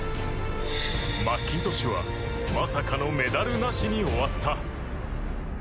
マッキントッシュはまさかのメダルなしに終わった。